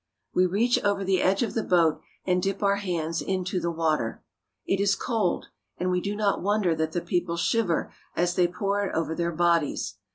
We reach over the edge of the boat and dip our hands into the water. It is cold, and we do not wonder that the people shiver as they pour it over their bodies.